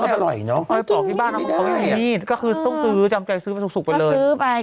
ปอกที่บ้านมันไม่มีมีดคือต้องซื้อจำใจซื้อมาสุกไปเลยคือต้องซื้อจำใจซื้อมาสุกไปเลย